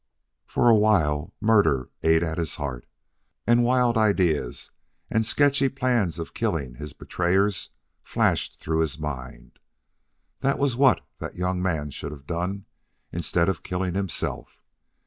For a while murder ate at his heart, and wild ideas and sketchy plans of killing his betrayers flashed through his mind. That was what that young man should have done instead of killing himself.